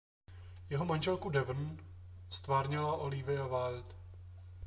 Jeho manželku Devon ztvárnila Olivia Wilde.